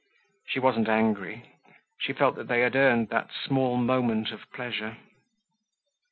She wasn't angry. She felt they had earned that small moment of pleasure.